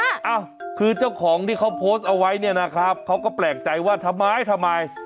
อ้าวคือเจ้าของที่เขาโพสต์เอาไว้เนี่ยนะครับเขาก็แปลกใจว่าทำไมทำไม